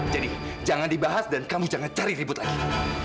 jadi jangan dibahas dan kamu jangan cari ribut lagi